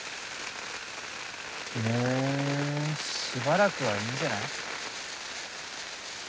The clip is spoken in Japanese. もうしばらくはいいんじゃない？